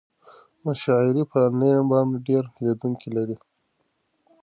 مشاعرې په انلاین بڼه ډېر لیدونکي لري.